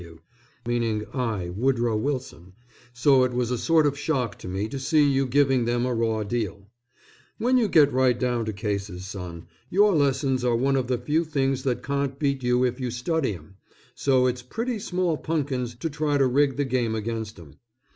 W. W. meaning I. Woodrow Wilson. So it was a sort of shock to me to see you giving them a raw deal. When you get right down to cases, son, your lessons are one of the few things that can't beat you if you study 'em, so it's pretty small punkins to try to rig the game against 'em.